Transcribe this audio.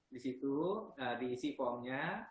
di situ diisi formnya